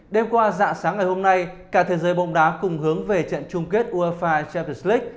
đêm qua dạng sáng ngày hôm nay cả thế giới bóng đá cùng hướng về trận chung kết uefa champions league